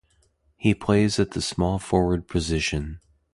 He plays at the small forward position.